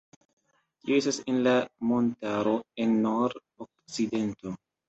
Tio estas en la montaro, en nord-okcidento.